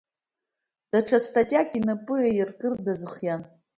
Даҽа статиак инапы аиркыртә дазыхиан.